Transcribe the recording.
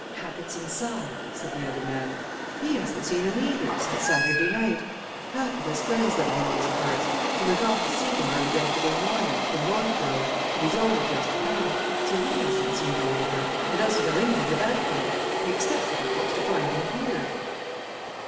"Hackett's inside," said the other man. "He hasn't seen him either, since Saturday night. Hackett has friends living in these parts he went off to see them early yesterday morning, from Northborough, and he's only just come. So he hasn't seen Oliver, and doesn't know anything about him; he expected, of course, to find him here."